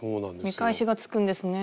見返しがつくんですね。